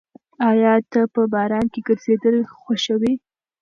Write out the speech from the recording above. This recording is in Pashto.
ایا ته په باران کې ګرځېدل خوښوې؟